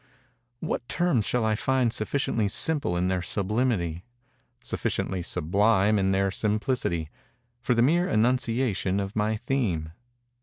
What terms shall I find sufficiently simple in their sublimity—sufficiently sublime in their simplicity—for the mere enunciation of my theme?